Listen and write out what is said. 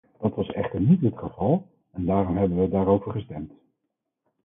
Dat was echter niet het geval en daarom hebben we daarover gestemd.